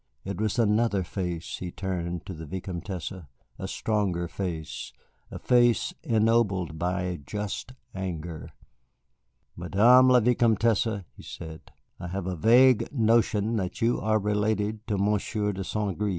It was another face he turned to the Vicomtesse, a stronger face, a face ennobled by a just anger. "Madame la Vicomtesse," he said, "I have a vague notion that you are related to Monsieur de St. Gré.